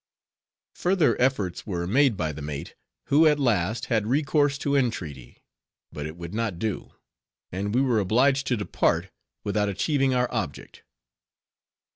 Further efforts were made by the mate, who at last had recourse to entreaty; but it would not do; and we were obliged to depart, without achieving our object.